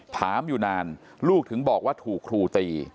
ถามอยู่นานลูกถึงบอกว่าถูกครูตี